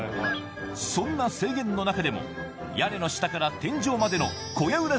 そんな制限の中でも屋根の下から天井までの小屋裏